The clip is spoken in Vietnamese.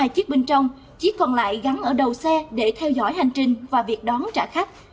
hai chiếc bên trong chỉ còn lại gắn ở đầu xe để theo dõi hành trình và việc đón trả khách